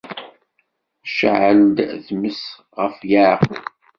Tceɛl-d tmes ɣef Yeɛqub.